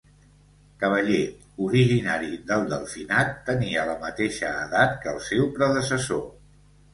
Cavaller, originari del Delfinat, tenia la mateixa edat que el seu predecessor.